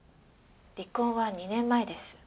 離婚は２年前です。